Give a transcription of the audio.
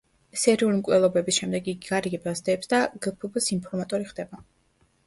სერიული მკვლელობების შემდეგ იგი გარიგებას დებს და გფბ-ს ინფორმატორი ხდება.